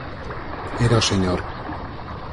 Era o señor